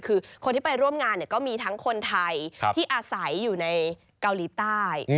คือคนที่ไปร่วมงานก็มีทั้งคนไทยที่อาศัยอยู่ในเกาหลีใต้